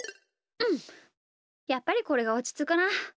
うんやっぱりこれがおちつくな。